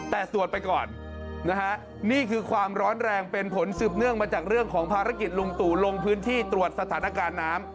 แต่สวดไปก่อนนะฮะนี่คือความร้อนแรงเป็นผลสืบเนื่องมาจากเรื่องของภารกิจลุงตู่ลงพื้นที่ตรวจสถานการณ์น้ำ